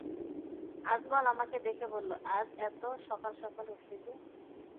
আজমল আমাকে দেখে বলল, আজ এত সকাল-সকল উঠলি যে?